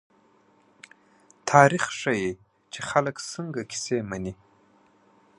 تاریخ ښيي، چې خلک څنګه کیسې مني.